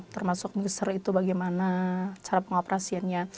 termasuk nuser itu bagaimana cara pengoperasiannya